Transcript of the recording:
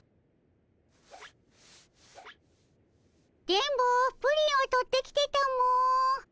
電ボプリンを取ってきてたも。